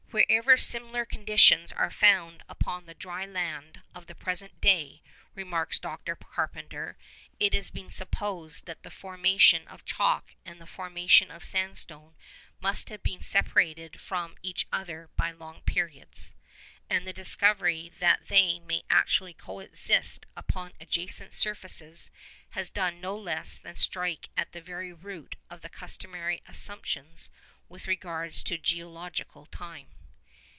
'Wherever similar conditions are found upon the dry land of the present day,' remarks Dr. Carpenter, 'it has been supposed that the formation of chalk and the formation of sandstone must have been separated from each other by long periods, and the discovery that they may actually co exist upon adjacent surfaces has done no less than strike at the very root of the customary assumptions with regard to geological time.